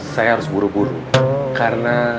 saya harus buru buru karena